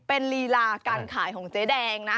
เป็นลีลาการขายของเจ๊แดงนะ